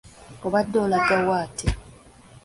Obadde olaga wa ate?